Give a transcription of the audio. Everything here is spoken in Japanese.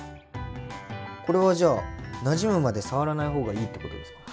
これはじゃあなじむまで触らない方がいいってことですか？